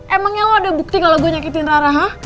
emangnya lu ada bukti kalo gua nyakitin rara hah